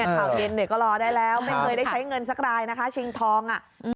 ข่าวเย็นเนี่ยก็รอได้แล้วไม่เคยได้ใช้เงินสักรายนะคะชิงทอง